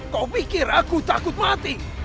kau pikir aku takut mati